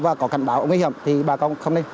và có cảnh báo nguy hiểm thì bà con không nên